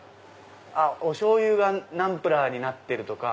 おしょうゆがナンプラーになってるとか。